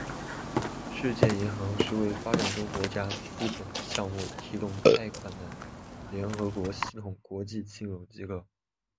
世界银行是为发展中国家资本项目提供贷款的联合国系统国际金融机构。